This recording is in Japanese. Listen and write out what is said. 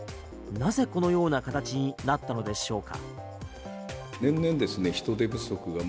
なぜ、このような形になったのでしょうか。